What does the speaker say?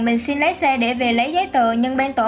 mình xin lấy xe để về lấy giấy tờ